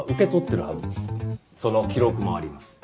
その記録もあります。